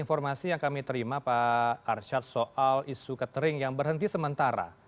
informasi yang kami terima pak arsyad soal isu catering yang berhenti sementara